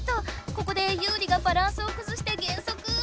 ここでユウリがバランスをくずして減速！